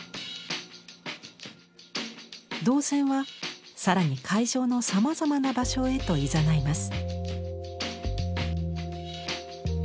動線は更に会場のさまざまな場所へといざないます。